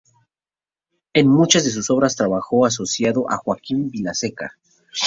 En muchas de sus obras trabajó asociado a Joaquim Vilaseca.